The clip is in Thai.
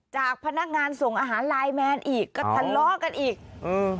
จากพนักงานส่งอาหารไลน์แมนอีกก็ทะเลาะกันอีกอืม